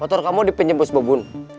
botor kamu di penjembus bobun